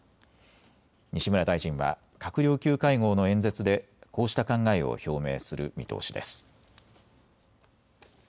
西村大臣は閣僚級会合の演説でこうした考えを表明する見通しです。